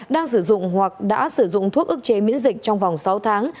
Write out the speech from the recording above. đang sử dụng hoặc đã sử dụng thuốc ức chế miễn dịch trong vòng sáu tháng